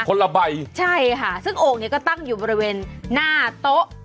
ละใบใช่ค่ะซึ่งโอ่งเนี้ยก็ตั้งอยู่บริเวณหน้าโต๊ะ